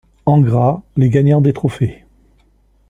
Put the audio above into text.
En gras les gagnants des trophées.